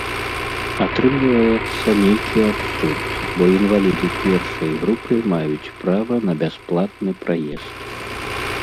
Атрымліваецца нейкі абсурд, бо інваліды першай групы маюць права на бясплатны праезд.